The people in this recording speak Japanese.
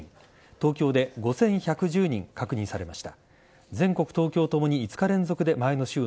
東京で５１１０人確認されました。